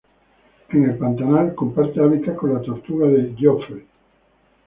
En el Pantanal, comparte hábitat con la tortuga de Geoffroy.